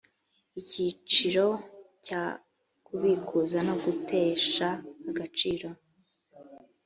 icyiciro cya kubikuza no gutesha agaciro